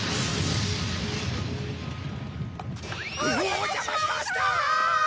お邪魔しました！